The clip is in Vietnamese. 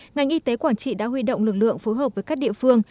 ngành y tế quảng trị đã huy động lực lượng phối hợp với các địa phương